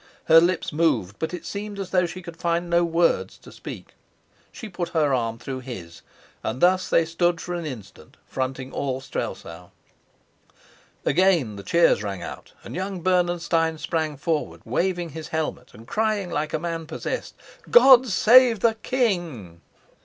Her lips moved, but it seemed as though she could find no words to speak. She put her arm through his, and thus they stood for an instant, fronting all Strelsau. Again the cheers rang out, and young Bernenstein sprang forward, waving his helmet and crying like a man possessed, "God save the king!"